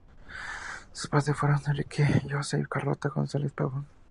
Sus padres fueron Enrique Llosa y Carlota González Pavón.